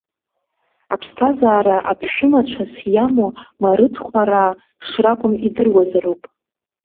Аԥсҭазаара аԥшәымацәас иамоу марыҭхәараа шракәым идыруазароуп.